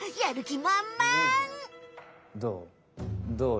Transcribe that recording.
どう？